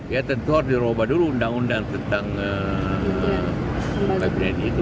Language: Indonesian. ya tentu harus dirubah dulu undang undang tentang apbn itu